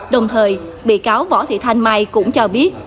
đồng thời bị cáo võ thị thanh mai cũng cho biết